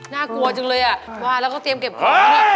อ๋อน่ากลัวจังเลยน่ะว่าแล้วก็เตรียมเก็บควาย